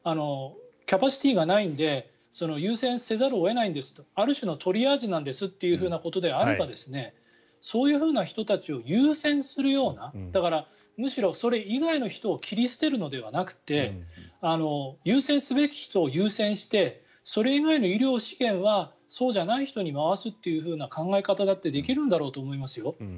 キャパシティーがないので優先せざるを得ないんですとある種のトリアージなんですということであればそういう人たちを優先するようなだから、むしろそれ以外の人を切り捨てるのではなくて優先すべき人を優先してそれ以外の医療資源はそうじゃない人に回すという考え方だってできるんだろうと思いますよ。